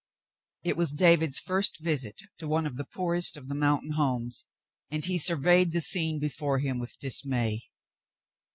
It was David's first visit to one of the poorest of the moun tain homes, and he surveyed the scene before him with dismay.